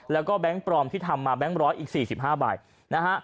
แล้วก็แบงค์ปลอมที่ทำมาแบงค์ร้อยอีก๔๕ใบนะฮะ